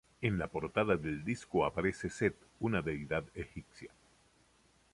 En la portada del disco aparece Seth una deidad egipcia.